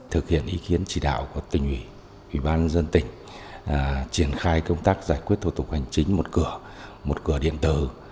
thực hiện ý kiến chỉ đạo của tỉnh ủy ủy ban dân tỉnh triển khai công tác giải quyết thủ tục hành chính một cửa một cửa điện tử